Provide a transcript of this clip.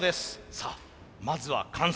さあまずは完走。